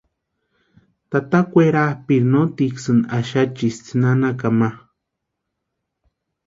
Tata kwerapʼiri nótsʼïni axachisti nanakani ma.